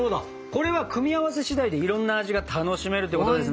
これは組み合わせしだいでいろんな味が楽しめるってことですね？